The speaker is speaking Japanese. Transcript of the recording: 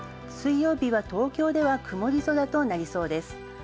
水曜日は東京では曇り空となりそうです。